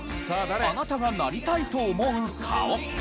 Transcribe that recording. あなたがなりたいと思う顔。